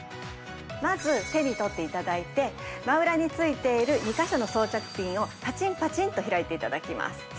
まず手に取って頂いて真裏についている２カ所の装着ピンをパチンパチンと開いて頂きます。